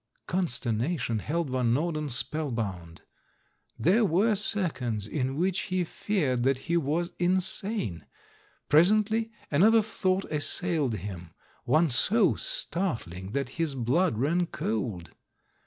Consternation held Van Norden spellbound. There were seconds in which he feared that he was insane. Presently another thought assailed him, one so startling that his blood ran cold.